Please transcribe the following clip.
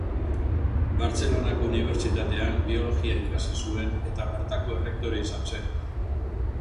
Bartzelonako Unibertsitatean biologia ikasi zuen, eta bertako errektore izan zen.